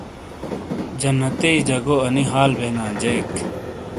جنتئے جگو انے ہال بینا جیک